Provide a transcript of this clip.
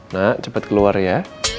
nak cepet keluar ya